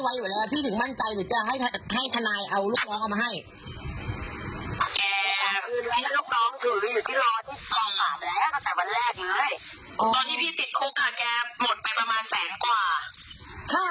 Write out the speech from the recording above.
ค่าประกันแสนหนึ่งยังพี่ป้อง๕๐๐๐หนุ่มหมื่นหนึ่ง